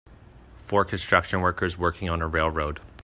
Four construction workers working on a railroad.